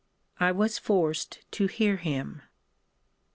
I was forced to hear him.